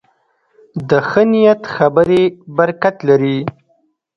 د ښه نیت خبرې برکت لري